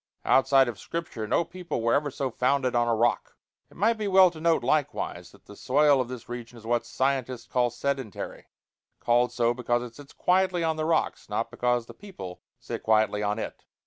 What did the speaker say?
Outside of Scripture no people was ever so founded on a rock. It might be well to note, likewise, that the soil of this region is what scientists call sedentary called so because it sits quietly on the rocks, not because the people sit quietly on it.